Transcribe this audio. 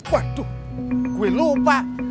waduh gue lupa